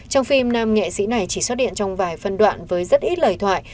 trong phim nam nghệ sĩ này chỉ xuất hiện trong vài phân đoạn với rất ít lời thoại